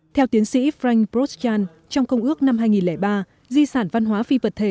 theo tiến sĩ frank prostjan trong công ước năm hai nghìn ba di sản văn hóa phi vật thể